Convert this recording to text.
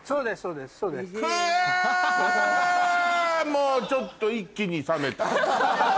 もうちょっと一気に冷めた。